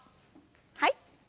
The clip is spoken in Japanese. はい。